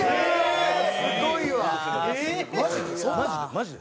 マジで？